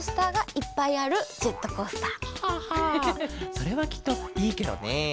それはきっといいケロね。